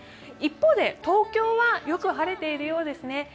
一方で東京はよく晴れているようですね。